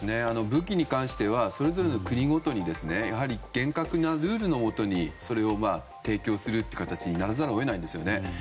武器に関してはそれぞれの国ごとにやはり厳格なルールのもとにそれを提供する形にならざるを得ないんですね。